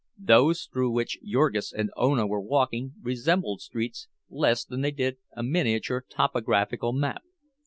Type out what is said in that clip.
Those through which Jurgis and Ona were walking resembled streets less than they did a miniature topographical map.